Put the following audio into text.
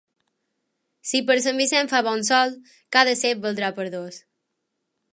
Si per Sant Vicenç fa bon sol, cada cep valdrà per dos.